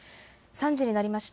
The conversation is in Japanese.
３時になりました。